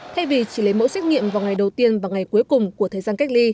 thay vì chỉ lấy mẫu xét nghiệm vào ngày đầu tiên và ngày cuối cùng của thời gian cách ly